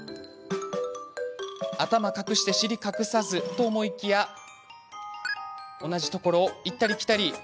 頭隠して尻隠さずと思いきや同じところを行ったり来たり。